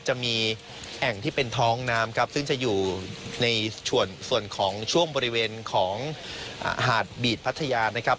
จะมีแอ่งที่เป็นท้องน้ำครับซึ่งจะอยู่ในส่วนของช่วงบริเวณของหาดบีดพัทยานะครับ